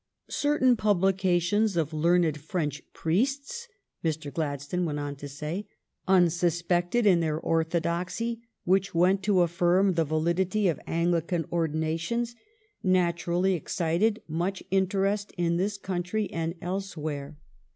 ..." Certain publications of learned French priests," Mr. Gladstone went on to say, "unsuspected in their orthodoxy, which went to affirm the validity of Anglican ordinations, naturally excited much interest in this country and elsewhere.